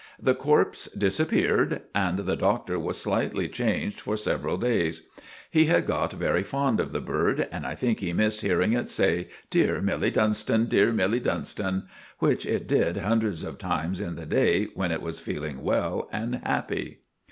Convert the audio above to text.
The corpse disappeared, and the Doctor was slightly changed for several days. He had got very fond of the bird, and I think he missed hearing it say, "Dear Milly Dunstan, dear Milly Dunstan," which it did hundreds of times in the day when it was feeling well and happy.